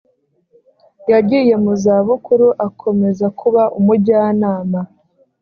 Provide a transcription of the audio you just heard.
yagiye muzabukuru akomeza kuba umujyanama